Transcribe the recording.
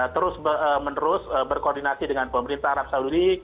terus menerus berkoordinasi dengan pemerintah arab saudi